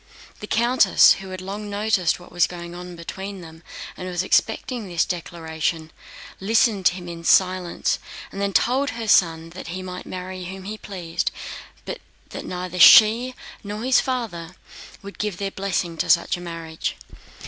The countess, who had long noticed what was going on between them and was expecting this declaration, listened to him in silence and then told her son that he might marry whom he pleased, but that neither she nor his father would give their blessing to such a marriage.